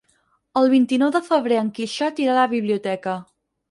El vint-i-nou de febrer en Quixot irà a la biblioteca.